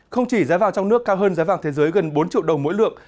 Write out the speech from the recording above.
không chỉ giá vàng trong nước cao hơn giá vàng thế giới gần bốn triệu đồng mỗi lượng